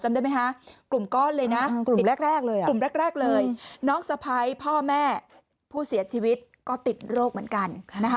ได้ไหมคะกลุ่มก้อนเลยนะกลุ่มแรกเลยกลุ่มแรกเลยน้องสะพ้ายพ่อแม่ผู้เสียชีวิตก็ติดโรคเหมือนกัน